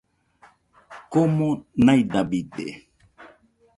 komo naidabide